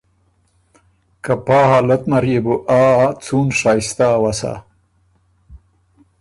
که پا حالت نر يې بُو آ څُون شائِستۀ اؤسا۔